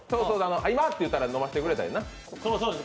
「今」って言ったら飲ませてくれたらいいな。